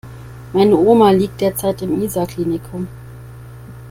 Meine Oma liegt derzeit im Isar Klinikum.